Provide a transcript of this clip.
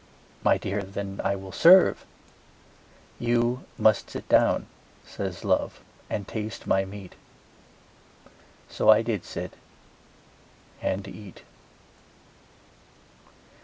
My dear, then I will serve. You must sit down, says Love, and taste my meat: So I did sit and eat.